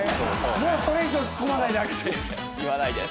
「もうそれ以上ツッコまないであげて」って。